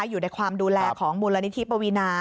อยู่ในความดูแลของมูลนิธิปวีนา